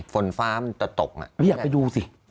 ฝนฟ้ามันจะตกไม่อยากไปดูสิ